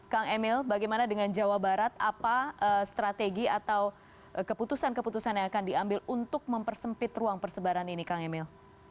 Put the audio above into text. kang emil bagaimana dengan jawa barat apa strategi atau keputusan keputusan yang akan diambil untuk mempersempit ruang persebaran ini kang emil